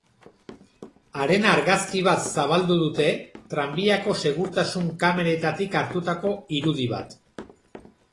Haren argazki bat zabaldu dute, tranbiako segurtasun kameretatik hartutako irudi bat.